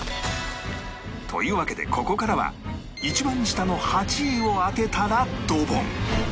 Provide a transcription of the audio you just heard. というわけでここからは一番下の８位を当てたらドボン